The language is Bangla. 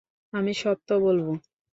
আমি সত্য বলবো।